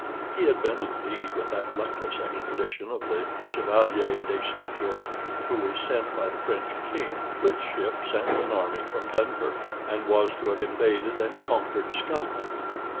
He had been indeed with that luckless expedition of the Chevalier de St. George, who was sent by the French king with ships and an army from Dunkirk, and was to have invaded and conquered Scotland.